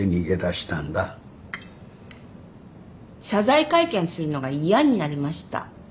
謝罪会見するのが嫌になりました。